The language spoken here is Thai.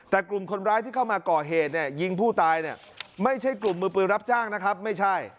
แต่กลุ่มคนร้ายที่เข้ามาก่อเหตุเนี่ยยิงผู้ตายเนี่ยไม่ใช่กลุ่มมือปืนรับจ้างนะครับไม่ใช่